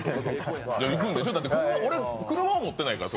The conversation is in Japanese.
車は持ってないから俺。